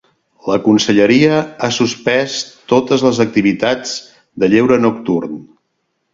La conselleria ha suspès totes les activitats de lleure nocturn.